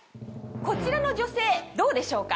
こちらの女性どうでしょうか？